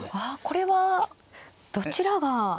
これはどちらが。